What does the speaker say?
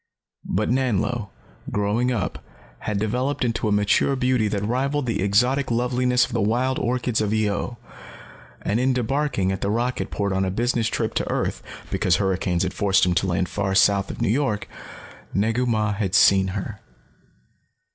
But Nanlo, growing up, had developed into a mature beauty that rivaled the exotic loveliness of the wild orchids of Io. And in debarking at the rocket port on a business trip to earth, because hurricanes had forced him to land far south of New York, Negu Mah had seen her.